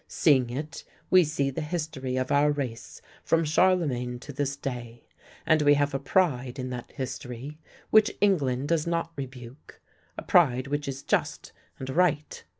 Seeing it, we see the history of our race from Charlemagne to this day, and we have a pride in that history which England does not rebuke, a pride which is just and right.